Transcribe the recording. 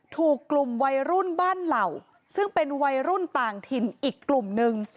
ถูกกลุ่มวัยรุ่นบ้านเหล่าซึ่งเป็นวัยรุ่นต่างถิ่นอีกกลุ่มนึง